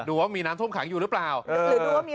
คุณผู้ชมถามมาในไลฟ์ว่าเขาขอฟังเหตุผลที่ไม่ให้จัดอีกที